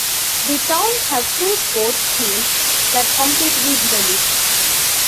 The town has two sports teams that compete regionally.